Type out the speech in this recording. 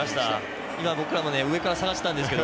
今僕らも上から探していたんですが。